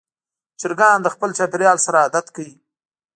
چرګان د خپل چاپېریال سره عادت کوي.